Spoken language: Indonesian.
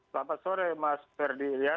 selamat sore mas ferdi